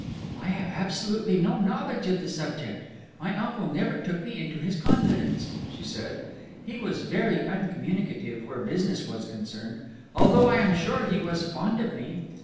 "I have absolutely no knowledge of the subject. My uncle never took me into his confidence," she said; "he was very uncommunicative where business was concerned although I am sure he was fond of me."